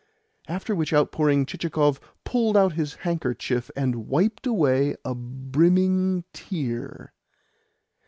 After which outpouring Chichikov pulled out his handkerchief, and wiped away a brimming tear.